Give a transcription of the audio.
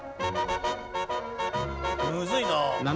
むずいな。